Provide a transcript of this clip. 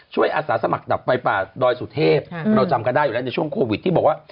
อาสาสมัครดับไฟป่าดอยสุเทพเราจำกันได้อยู่แล้วในช่วงโควิดที่บอกว่า